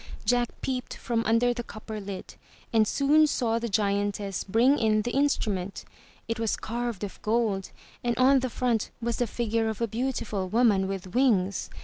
Jack peeped from under the copper lid, and soon saw the giantess bring in the instrument. It was carved of gold and on the front was the figure of a beautiful woman with wings.